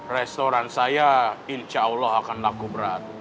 restoran saya insya allah akan laku berat